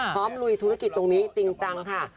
ลุยธุรกิจตรงนี้จริงจังค่ะ